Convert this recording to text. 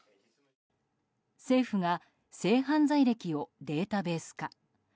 政府が性犯罪歴をデータベース化。